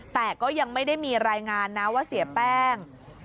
แต่ก็ยังไม่ได้มีรายงานนะว่าเสียแป้ง